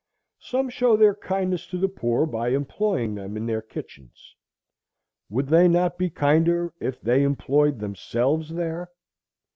Some show their kindness to the poor by employing them in their kitchens. Would they not be kinder if they employed themselves there?